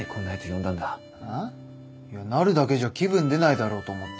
いやなるだけじゃ気分出ないだろうと思って。